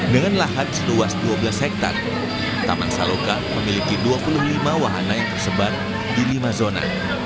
dengan lahan seluas dua belas hektare taman saloka memiliki dua puluh lima wahana yang tersebar di lima zona